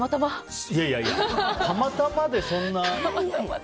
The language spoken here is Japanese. いやいやたまたまでそんな。